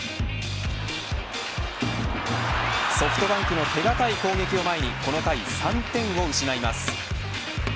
ソフトバンクの手堅い攻撃を前にこの回３点を失います。